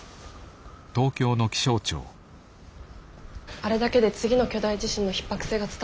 あれだけで次の巨大地震のひっ迫性が伝わったでしょうか？